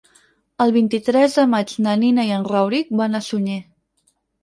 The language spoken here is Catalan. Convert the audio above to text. El vint-i-tres de maig na Nina i en Rauric van a Sunyer.